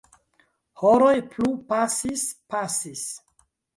Horoj plu pasis, pasis.